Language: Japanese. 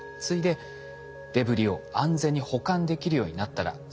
次いでデブリを安全に保管できるようになったら。